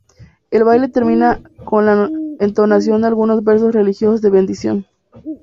El baile termina con la entonación de algunos versos religiosos de bendición.